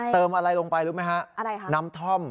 เติมอะไรลงไปรู้ไหมคะน้ำท่อม